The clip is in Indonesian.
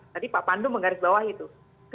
tadi pak pandu menggaris bawah itu